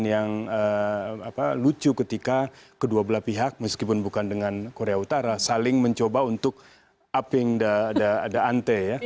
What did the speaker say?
menjadi suatu adegan yang lucu ketika kedua belah pihak meskipun bukan dengan korea utara saling mencoba untuk upping the ante